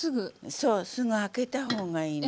すぐ空けた方がいいの。